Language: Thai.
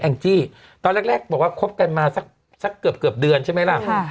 งจี้ตอนแรกบอกว่าคบกันมาสักเกือบเดือนใช่ไหมล่ะ